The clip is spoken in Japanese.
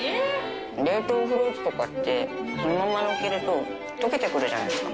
冷凍フルーツとかってそのままのっけると、溶けてくるじゃないですか。